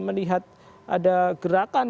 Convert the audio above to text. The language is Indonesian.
melihat ada gerakan